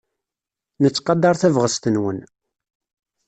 Nettqadar tabɣest-nwen.